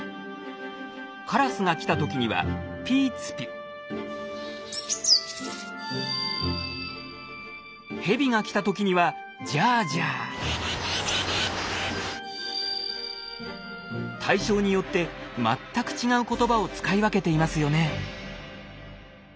カラスが来た時にはヘビが来た時には対象によって全く違う言葉を使い分けていますよね。